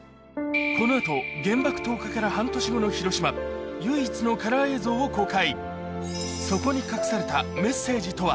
この後原爆投下から半年後の広島唯一のカラー映像を公開